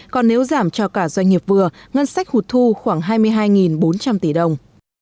còn nếu giảm cho cả doanh nghiệp vừa ngân sách hụt thu khoảng hai mươi hai bốn trăm linh tỷ đồng